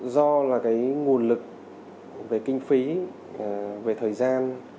do là cái nguồn lực về kinh phí về thời gian